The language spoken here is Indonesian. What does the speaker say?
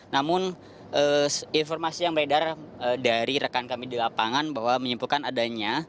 namun informasi yang beredar dari rekan kami di lapangan bahwa menyimpulkan adanya